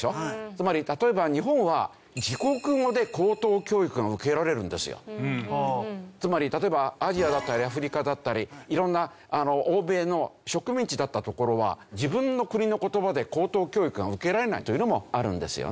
つまり例えばつまり例えばアジアだったりアフリカだったり色んな欧米の植民地だった所は自分の国の言葉で高等教育が受けられないというのもあるんですよね。